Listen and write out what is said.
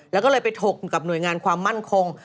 แล้วก็เลยไปถกกับหน่วยงานความมั่นคง